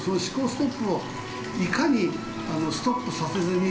ストップをいかにストップさせずに。